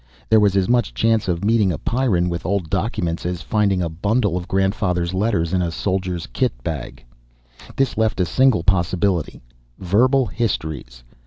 There was as much chance of meeting a Pyrran with old documents as finding a bundle of grandfather's letters in a soldier's kit bag. This left a single possibility verbal histories.